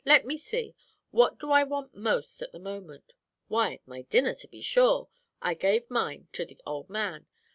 Let me see, what do I want most at this moment? why, my dinner to be sure. I gave mine to the old man.